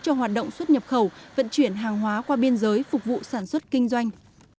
cho hoạt động xuất nhập khẩu vận chuyển hàng hóa qua biên giới phục vụ sản xuất kinh doanh